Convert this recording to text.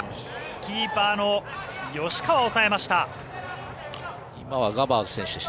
キーパーの吉川、抑えました。